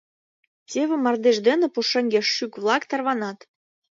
Теве мардеж дене пушеҥге шӱк-влак тарванат.